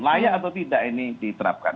layak atau tidak ini diterapkan